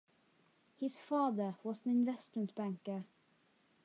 His father was an investment banker.